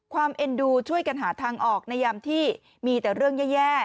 เอ็นดูช่วยกันหาทางออกในยามที่มีแต่เรื่องแย่